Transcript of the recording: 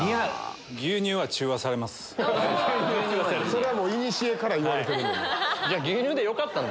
それはいにしえから言われてる。